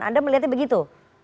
anda melihatnya begitu